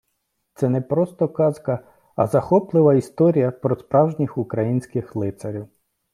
Це не просто казка, а захоплива історія про справжніх українських лицарів.